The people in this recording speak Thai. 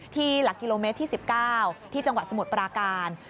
หลักกิโลเมตรที่๑๙ที่จังหวัดสมุทรปราการ